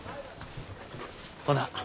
ほな。